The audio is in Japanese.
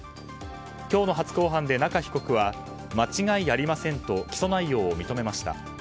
今日の初公判で中被告は間違いありませんと起訴内容を認めました。